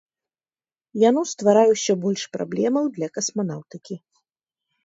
Яно стварае ўсё больш праблемаў для касманаўтыкі.